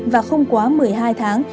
và không quá một mươi hai tháng